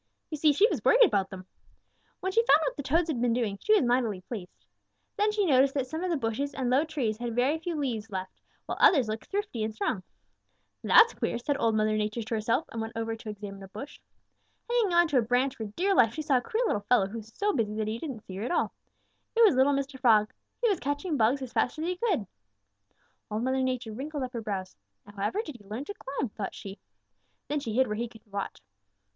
You see, she was worried about them. When she found what the Toads had been doing, she was mightily pleased. Then she noticed that some of the bushes and low trees had very few leaves left, while others looked thrifty and strong. "'That's queer,' said Old Mother Nature to herself and went over to examine a bush. Hanging on to a branch for dear life she saw a queer little fellow who was so busy that he didn't see her at all. It was little Mr. Frog. He was catching bugs as fast as he could. Old Mother Nature wrinkled up her brows. 'Now however did he learn to climb?' thought she. Then she hid where she could watch.